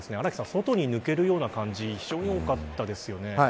外に抜けるような感じが非常に多かったですよね。